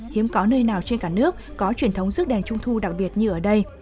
hiếm có nơi nào trên cả nước có truyền thống rước đèn trung thu đặc biệt như ở đây